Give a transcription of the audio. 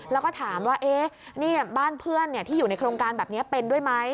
แล้วก็ถามว่าบ้านเพื่อนที่อยู่ในโครงการแบบนี้เป็นด้วยไหม